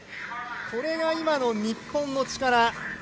これが今の日本の力。